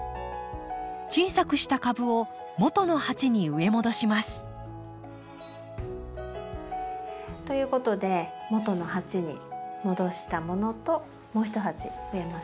小さくした株を元の鉢に植え戻します。ということで元の鉢に戻したものともう一鉢増えましたね。